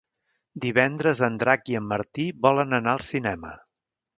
Divendres en Drac i en Martí volen anar al cinema.